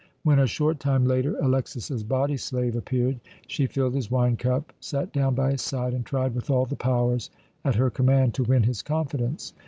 When, a short time later, Alexas's body slave appeared, she filled his wine cup, sat down by his side, and tried with all the powers at her command to win his confidence.